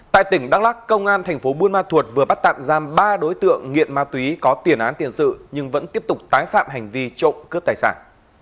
tại tỉnh đắk lắc công an thành phố buôn ma thuột vừa bắt tạm giam ba đối tượng nghiện ma túy có tiền án tiền sự nhưng vẫn tiếp tục tái phạm hành vi trộm cướp tài sản